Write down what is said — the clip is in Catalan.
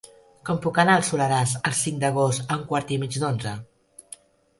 Com puc anar al Soleràs el cinc d'agost a un quart i mig d'onze?